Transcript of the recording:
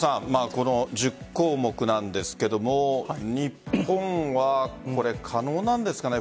この１０項目なんですけども日本はこれ、可能なんですかね。